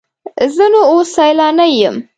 زه نو اوس سیلانی یم.